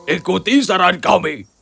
ikuti saran kami